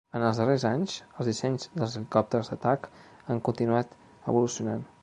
En els darrers anys els dissenys dels helicòpters d'atac han continuat evolucionant.